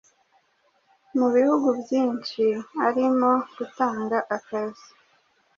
mu bihugu byinshi arimo gutanga akazi